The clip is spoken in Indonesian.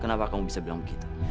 kenapa kamu bisa bilang begitu